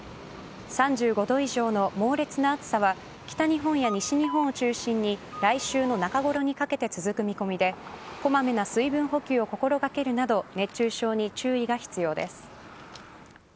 ３５度以上の猛烈な暑さは北日本や西日本を中心に来週の中頃にかけて続く見込みでこまめな水分補給を心掛けるなど熱中症に注意が必要です。